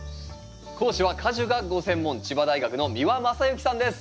講師は果樹がご専門千葉大学の三輪正幸さんです。